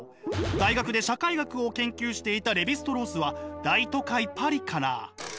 大学で社会学を研究していたレヴィ＝ストロースは大都会パリから。